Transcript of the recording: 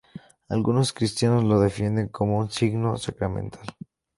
Algunos cristianos lo definen como un "signo sacramental".